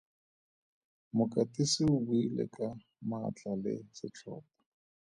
Mokatisi o buile ka maatla le setlhopha.